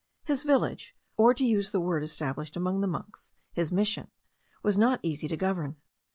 His village, or to use the word established among the monks, his Mission, was not easy to govern.